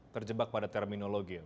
terjebak pada terminologi ya